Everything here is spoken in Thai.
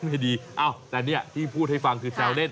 ไม่ดีเอ้าแต่เนี่ยที่พูดให้ฟังคือแซวเล่น